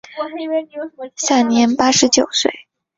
享年八十九岁。